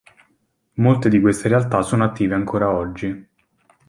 Molte di queste realtà sono attive ancora oggi.